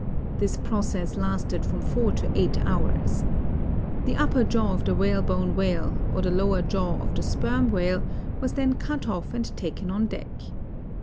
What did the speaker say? This process lasted from four to eight hours. The upper jaw of the whalebone whale or the lower jaw of the sperm whale was then cut off and taken on deck.